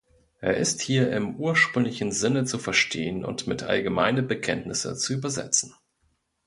Er ist hier im ursprünglichen Sinne zu verstehen und mit „allgemeine Bekenntnisse“ zu übersetzen.